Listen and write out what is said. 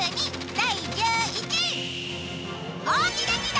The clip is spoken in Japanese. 第１１位。